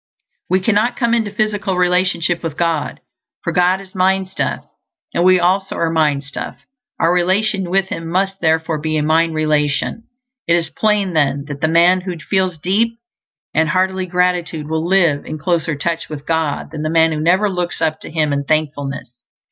We cannot come into physical relationship with God, for God is mind stuff and we also are mind stuff; our relation with Him must therefore be a mind relation. It is plain, then, that the man who feels deep and hearty gratitude will live in closer touch with God than the man who never looks up to Him in thankfulness.